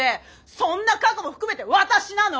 そんな過去も含めて私なの！